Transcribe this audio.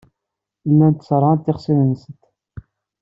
Llant ṣerrɛent ixṣimen-nsent.